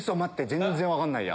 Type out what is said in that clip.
全然分かんないや。